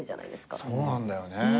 そうなんだよね。